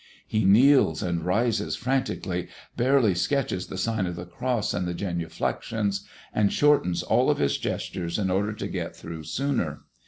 He kneels and rises frantically, barely sketches the sign of the cross and the genuflections, and shortens all of his gestures in order to get through sooner.